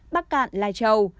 bắc cạn là một ca